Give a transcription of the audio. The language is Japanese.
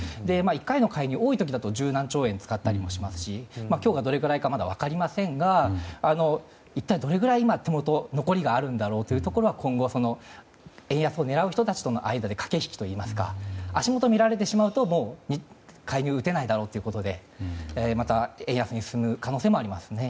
１回の介入、多い時だと十何兆円買う時もありますが今日がどれぐらいかまだ分かりませんが一体どれくらい、今の手元に残りがあるんだろうというところは今後、円安を狙う人たちとの間で駆け引きというか足元を見られると介入を打てないだろうということでまた円安に進む可能性もあります。